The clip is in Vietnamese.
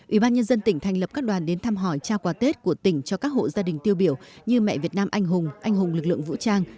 ủy ban nhân dân tỉnh thành lập các đoàn đến thăm hỏi trao quà tết của tỉnh cho các hộ gia đình tiêu biểu như mẹ việt nam anh hùng anh hùng lực lượng vũ trang